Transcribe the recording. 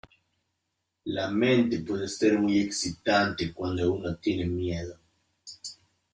la mente puede ser muy excitante cuando uno tiene miedo .